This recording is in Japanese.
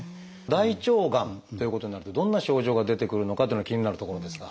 大腸がんということになるとどんな症状が出てくるのかというのが気になるところですが。